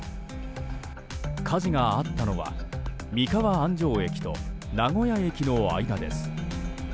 火事があったのは三河安城駅と名古屋駅の間です。